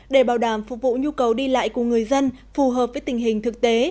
để bảo đảm phục vụ nhu cầu đi lại của người dân phù hợp với tình hình thực tế